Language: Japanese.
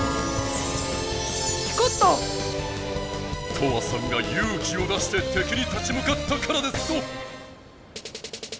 トアさんがゆう気を出しててきに立ちむかったからですぞ！